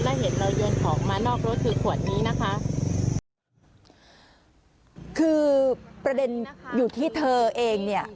และเห็นเราโยนของมานอกรถคือขวดนี้นะคะคือประเด็นอยู่ที่เธอเองเนี่ย